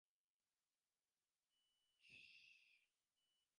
নিয়ম অনুযায়ী একটি সাইকেলকে তিন মিটার জায়গা ছেড়ে দেওয়ার কথা মোটরগাড়ির।